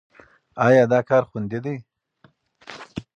ایا دا کار خوندي دی؟